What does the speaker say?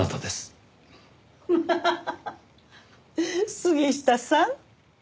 杉下さん。